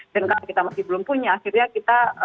dan kalau kita masih belum punya akhirnya kita